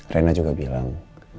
rena juga bilang